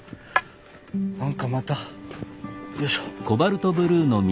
何かまたよいしょ。